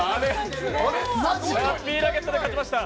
ラッピーラケットで勝ちました。